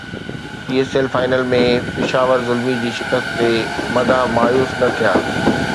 P S L final ۾ Peshawar Zalmi جي شڪست تي مداح مايوس نه ٿيا